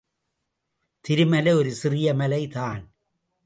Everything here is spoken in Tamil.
திருமலை ஒரு சிறிய மலை தான்.